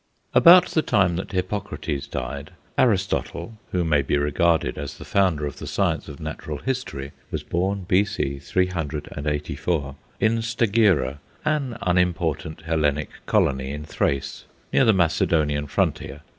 _ About the time that Hippocrates died, Aristotle, who may be regarded as the founder of the science of "Natural History," was born (B.C. 384) in Stagira, an unimportant Hellenic colony in Thrace, near the Macedonian frontier.